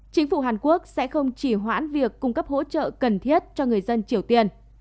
chính phủ hàn quốc sẽ không chỉ hoãn việc cung cấp hỗ trợ cần thiết cho người dân triều tiên